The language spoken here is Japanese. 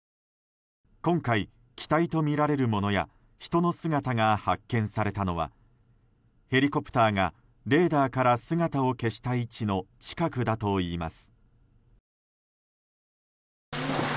今回、機体とみられるものや人の姿が発見されたのはヘリコプターがレーダーから姿を消した位置の近くだといいます。